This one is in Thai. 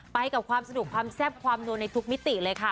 ไปกับความสนุกความแซ่บความนัวในทุกมิติเลยค่ะ